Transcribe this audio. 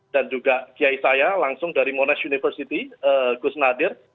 dan juga kiai saya langsung dari monash university gus nadir